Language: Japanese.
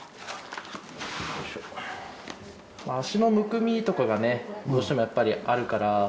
足のむくみとかがねどうしてもやっぱりあるから。